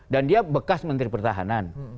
dan dia bekas menteri pertahanan